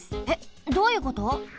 えっどういうこと？